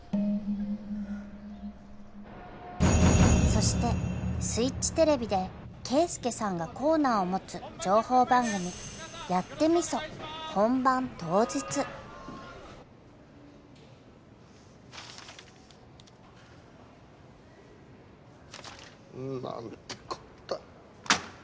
［そしてスイッチＴＶでケイスケさんがコーナーを持つ情報番組『やってみそ』本番当日］なんてこった。